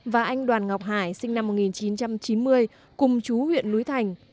và anh đoàn ngọc hải sinh năm một nghìn chín trăm chín mươi cùng chú huyện núi thành